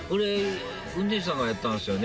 運転手さんがやったんすよね？